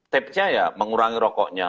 tipsnya ya mengurangi rokoknya